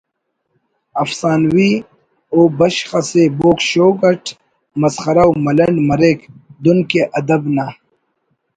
افسانوی ءُ بشخ اسے بوگ شوگ اٹ مسخرہ و ملنڈ مریک دن کہ ادب نا